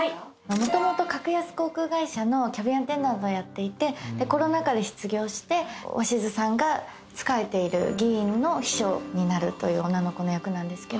もともと格安航空会社のキャビンアテンダントをやっていてコロナ禍で失業して鷲津さんが仕えている議員の秘書になるという女の子の役なんですけど。